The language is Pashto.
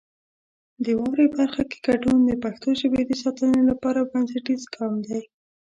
د واورئ برخه کې ګډون د پښتو ژبې د ساتنې لپاره بنسټیز ګام دی.